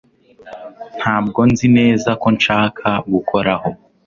ntabwo nzi neza ko nshaka gukoraho